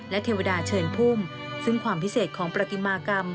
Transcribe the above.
และเทวดาเชิญพุ่มซึ่งความพิเศษของประติมากรรม